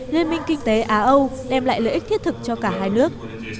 liên minh kinh tế á âu đem lại lợi ích thiết thực cho cả hai nước